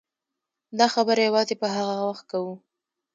دا خبره یوازې په هغه وخت کوو.